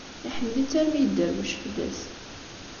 Iḥemmel-itt armi yedderwec fell-as.